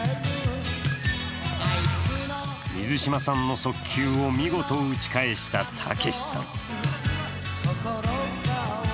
水島さんの速球を見事打ち返したたけしさん。